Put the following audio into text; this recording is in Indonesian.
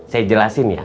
saya jelasin ya